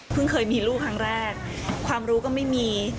เคยมีลูกครั้งแรกความรู้ก็ไม่มี